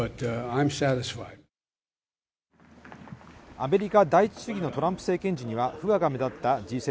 アメリカ第一主義のトランプ政権時には不和が目立ったＧ７。